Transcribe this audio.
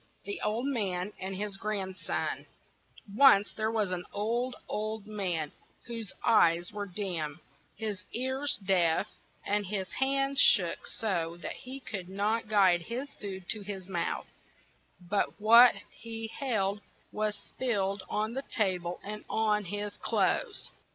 THE OLD MAN AND HIS GRANDSON ONCE there was an old, old man, whose eyes were dim, his ears deaf, and his hands shook so that he could not guide his food to his mouth, but what he held was spilled on the ta ble and on his clothes.